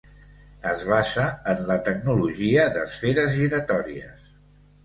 Es basa en la tecnologia d'esferes giratòries.